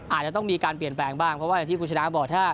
อาจจะต้องมีการเปลี่ยนแปลงบ้างเพราะว่าอย่างที่คุณชนะบอกถ้า